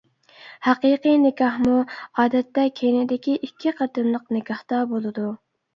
ھەقىقىي نىكاھمۇ ئادەتتە كەينىدىكى ئىككى قېتىملىق نىكاھتا بولىدۇ.